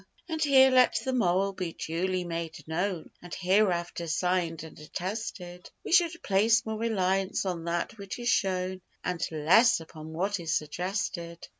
And here let the moral be duly made known, And hereafter signed and attested: We should place more reliance on that which is shown And less upon what is suggested.